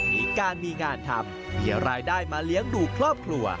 มีการมีงานทำมีรายได้มาเลี้ยงดูครอบครัว